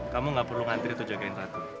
kamu gak perlu ngantri atau jagain ratu